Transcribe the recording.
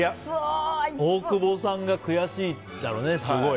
大久保さんが悔しいだろうねすごい。